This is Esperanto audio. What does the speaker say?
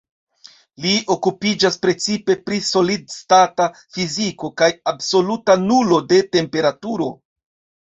Li okupiĝas precipe pri solid-stata fiziko kaj absoluta nulo de temperaturo.